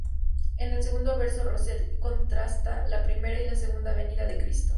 En el segundo verso, Rossetti contrasta la primera y la segunda venida de Cristo.